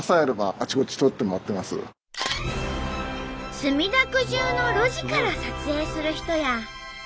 墨田区じゅうの路地から撮影する人や。